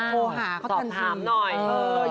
โทรหาเขากันที